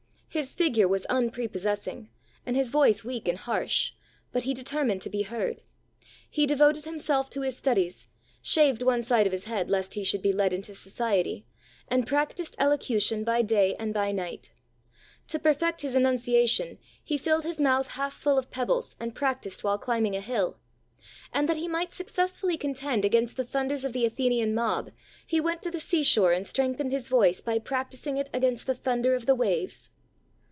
His figure was unprepossessing, and his voice weak and harsh, but he determined to be heard. He devoted himself to his studies, shaved one side of his head lest he should be led into society, and practised elocution by day and by night. To perfect his enun ciation he filled his mouth half full of peb bles and practised while climbing a hill; and that he might successfully contend againts the thunders of the Athenian mob, he went to the seashore and strengthened 96 THE soul winner's secret. his voice by practising it against the thun der of the waves.